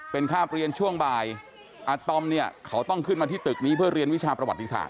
เป็นคาบเรียนช่วงบ่ายอาตอมเนี่ยเขาต้องขึ้นมาที่ตึกนี้เพื่อเรียนวิชาประวัติศาส